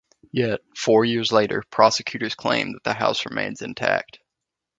Yet, four years later, prosecutors claim that the house remains intact.